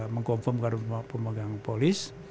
mengkonfirmkan oleh pemegang polis